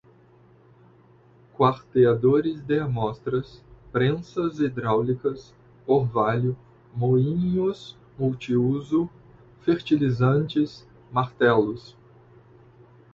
quarteadores de amostras, prensas hidráulicas, orvalho, moinhos multiuso, fertilizantes, martelos